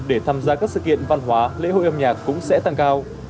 để tham gia các sự kiện văn hóa lễ hội âm nhạc cũng sẽ tăng cao